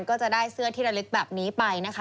ก็จะได้เสื้อธิราฬิตแบบนี้ไปนะคะ